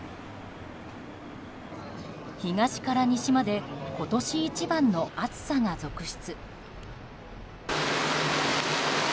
東から西まで今年一番の暑さが続出。